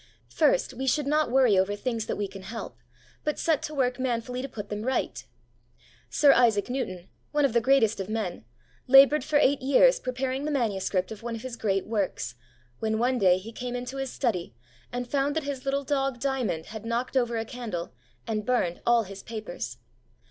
First, we should not worry over things that we can help, but set to work manfully to put them right. Sir Isaac Newton, one of the greatest of men, laboured for eight years preparing the manuscript of one of his great works, when one day he came into his study, and found that his little dog, Diamond, had knocked over a candle, and burned all his papers.